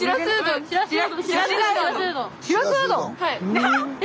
はい。